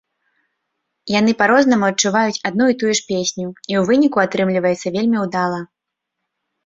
Яны па-рознаму адчуваюць адну і тую ж песню, і ў выніку атрымліваецца вельмі ўдала.